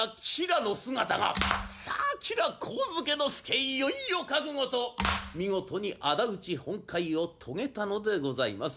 いよいよ覚悟と見事にあだ討ち本懐を遂げたのでございます。